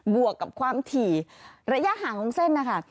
วกกับความถี่ระยะห่างของเส้นนะคะ